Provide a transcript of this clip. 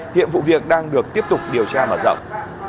hiện vụ việc đang được tiếp tục điều tra mở rộng